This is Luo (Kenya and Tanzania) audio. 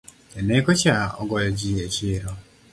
Janeko cha ogoyo jii e chiro